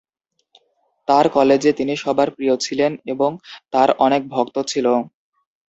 তার কলেজে তিনি সবার প্রিয় ছিল এবং তার অনেক ভক্ত ছিলো।